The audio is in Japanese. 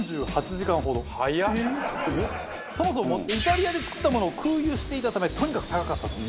そもそもイタリアで作ったものを空輸していたためとにかく高かったと。